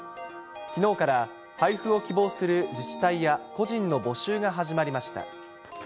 きのうから配布を希望する自治体や個人の募集が始まりました。